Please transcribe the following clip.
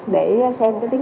để xem cái tiến độ